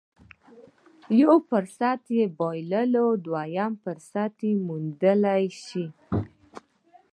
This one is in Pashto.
د يوه فرصت په بايللو دوهم فرصت موندلی شي.